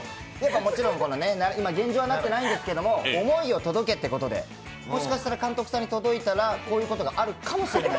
もちろん現状なってないんですけど思いよ届けってことで、監督さんに届いたらこういうことがあるかもしれない。